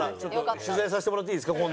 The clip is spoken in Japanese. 取材させてもらっていいですか？